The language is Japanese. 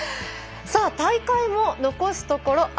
さあ、大会も残すところ